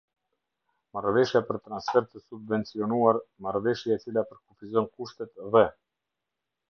Marrëveshja për Transfer të Subvencionuar — marrëveshje e cila përkufizon kushtet dhe.